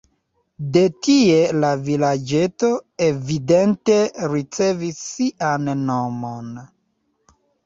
De tie la vilaĝeto evidente ricevis sian nomon.